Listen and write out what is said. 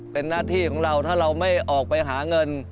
เป็นหน้าที่ของเราถ้าเราไม่ออกไปหาเงิน